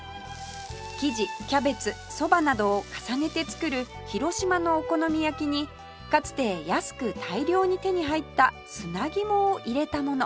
生地キャベツそばなどを重ねて作る広島のお好み焼きにかつて安く大量に手に入った砂肝を入れたもの